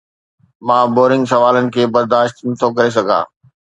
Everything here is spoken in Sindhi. مان بورنگ سوالن کي برداشت نٿو ڪري سگهان